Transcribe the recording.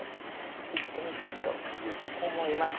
行ってみたいと思います。